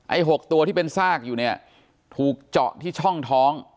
หกตัวที่เป็นซากอยู่เนี่ยถูกเจาะที่ช่องท้อง